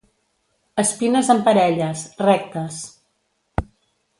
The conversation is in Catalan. Espines en parelles, rectes.